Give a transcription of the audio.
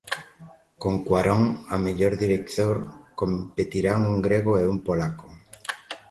Con Cuarón, a mellor director competirán un grego e un polaco.